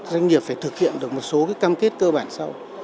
doanh nghiệp phải thực hiện được một số cam kết cơ bản sau